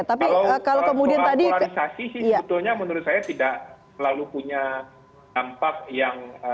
kalau soal polarisasi sih sebetulnya menurut saya tidak selalu punya dampak yang